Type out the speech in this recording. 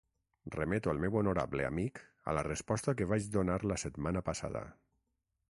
Remeto el meu honorable amic a la resposta que vaig donar la setmana passada.